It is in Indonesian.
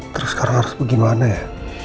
terus sekarang harus bagaimana ya